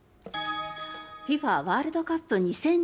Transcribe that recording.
ＦＩＦＡワールドカップ２０２２。